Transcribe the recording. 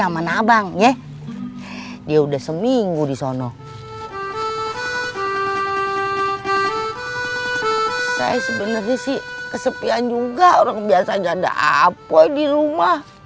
antum antum antum semuanya ikut aneka madrasah